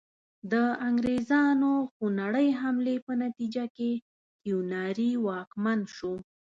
د انګریزانو خونړۍ حملې په نتیجه کې کیوناري واکمن شو.